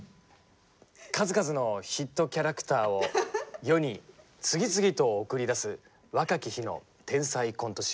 数々のヒットキャラクターを世に次々と送り出す若き日の天才コント師。